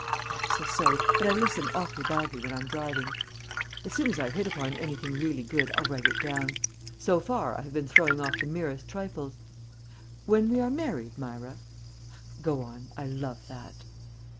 I'm so sorry, but I listen awfully badly when I'm driving." "As soon as I hit upon anything really good I'll write it down. So far I have been throwing off the merest trifles. When we are married, Myra " "Go on; I love that."